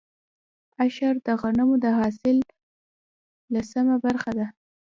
عشر د غنمو د حاصل لسمه برخه ده.